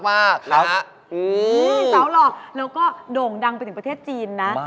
สาวหล่อแล้วก็โด่งดังไปถึงประเทศจีนนะ